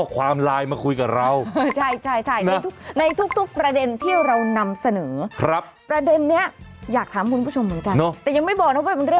คู่กันสมัครข่าว